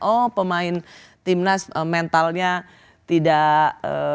oh pemain tim nas mentalnya tidak